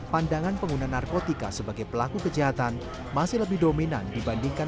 pandangan pengguna narkotika sebagai pelaku kejahatan masih lebih dominan dibandingkan